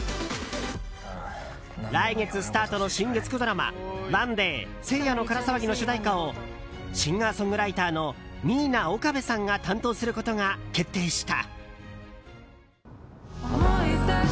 来月スタートの新月９ドラマ「ＯＮＥＤＡＹ聖夜のから騒ぎ」の主題歌をシンガーソングライターのミイナ・オカベさんが担当することが決定した。